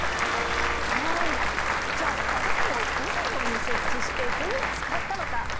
はいじゃあ鏡をどのように設置してどう使ったのか？